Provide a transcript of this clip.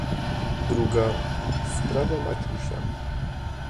"Druga: sprawa Maciusia."